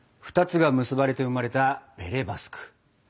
２つが結ばれて生まれたベレ・バスク。